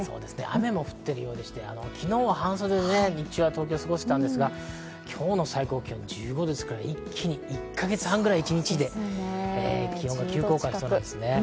雨も降ってるようでして、昨日は半袖で日中は東京は過ごせたんですが、今日の最高気温１５度ですから一気に１か月半ぐらい、一日で気温が急降下ですね。